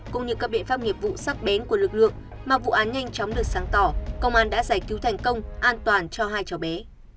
cũng như các biện pháp nghiệp vụ sắc bén của lực lượng mà vụ án nhanh chóng được sáng tỏ công an đã giải cứu thành công an toàn cho hai cháu bé